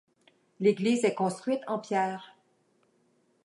L'église est construite en pierres.